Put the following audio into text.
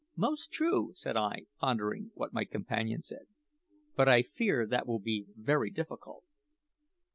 "Most true," said I, pondering what my companion said. "But I fear that that will be very difficult."